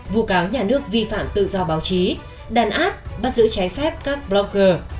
vụ cáo nhà nước vi phạm tự do báo chí đàn áp bắt giữ trái phép các blogger